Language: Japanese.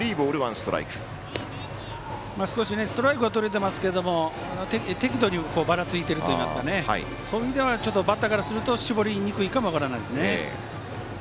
ストライクとれてますけど適度にばらついているというかそういう意味ではバッターからすると絞りにくいかも分からないですね。